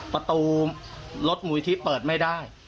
ประตูรถมูลนิธิเปิดไม่ได้